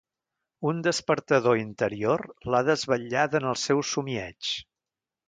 Un despertador interior l'ha desvetllada en el seu somieig.